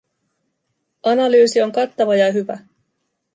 Analyysi on kattava ja hyvä.